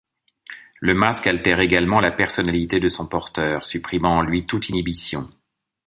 Le masque altère également la personnalité de son porteur, supprimant en lui toute inhibition.